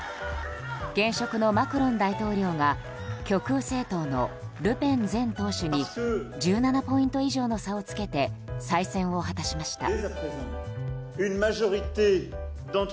現職のマクロン大統領が極右政党のルペン前党首に１７ポイント以上の差をつけて再選を果たしました。